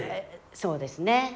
そうですね。